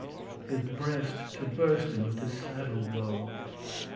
His breast to bursten with his saddle bow.